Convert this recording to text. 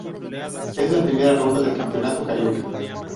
Es la primera ronda del Campeonato Carioca.